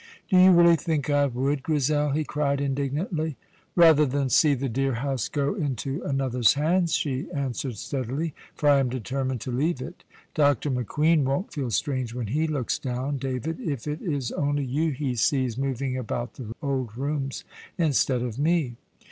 "Do you really think I would, Grizel!" he cried indignantly. "Rather than see the dear house go into another's hands," she answered steadily; "for I am determined to leave it. Dr. McQueen won't feel strange when he looks down, David, if it is only you he sees moving about the old rooms, instead of me."